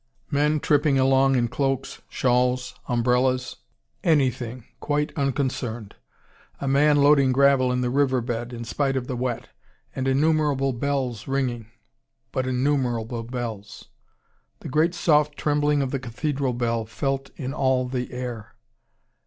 Men tripping along in cloaks, shawls, umbrellas, anything, quite unconcerned. A man loading gravel in the river bed, in spite of the wet. And innumerable bells ringing: but innumerable bells. The great soft trembling of the cathedral bell felt in all the air.